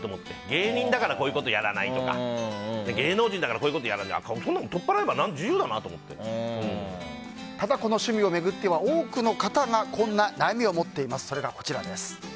芸人だからこういうことやらないとか芸能人だから、こういうのをやらないとかそういうのをただこの趣味を巡っては多くの方がこんな悩みを持っています。